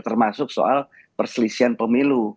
termasuk soal perselisihan pemilu